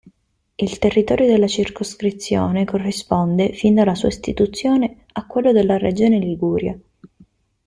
Il territorio della circoscrizione corrisponde, fin dalla sua istituzione, a quello della regione Liguria.